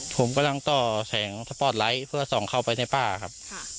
ผมกำลังต่อแสงสปอร์ตไลท์เพื่อส่องเข้าไปในป้าครับ